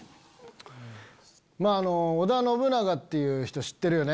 織田信長っていう人知ってるよね？